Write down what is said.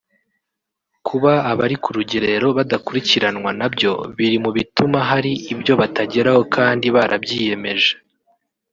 Kuba abari ku Rugerero badakurikiranwa nabyo biri mu bituma hari ibyo batageraho kandi barabyiyemeje